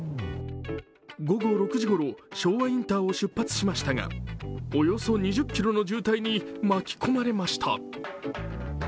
午後６時ごろ、昭和インターを出発しましたがおよそ２０ｋｍの渋滞に巻き込まれました。